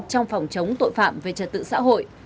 trong phòng chống tội phạm về trật tự xã hội